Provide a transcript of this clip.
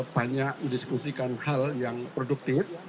banyak mendiskusikan hal yang produktif